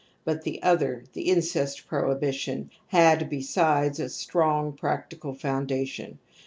But the other, the incest prohibition^ had, besides, a strong practical foundation.